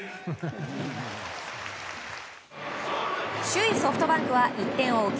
首位ソフトバンクは１点を追う